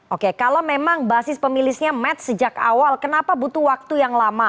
oke kalau memang basis pemilihnya match sejak awal kenapa butuh waktu yang lama